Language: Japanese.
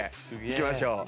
いきましょう。